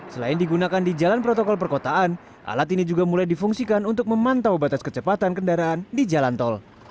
selain digunakan di jalan protokol perkotaan alat ini juga mulai difungsikan untuk memantau batas kecepatan kendaraan di jalan tol